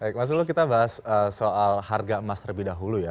baik mas ulu kita bahas soal harga emas terlebih dahulu ya